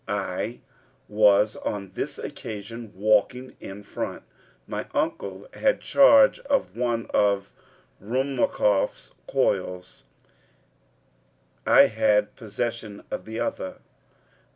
I was on this occasion walking on in front. My uncle had charge of one of the Ruhmkorff coils, I had possession of the other.